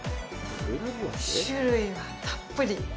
種類がたっぷり。